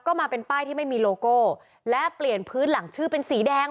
ก็มาเป็นป้ายที่ไม่มีโลโก้และเปลี่ยนพื้นหลังชื่อเป็นสีแดง